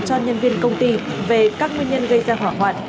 cho nhân viên công ty về các nguyên nhân gây ra hỏa hoạn